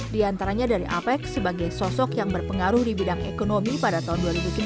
di antaranya dari apec sebagai sosok yang berpengaruh di bidang ekonomi pada tahun dua ribu tujuh belas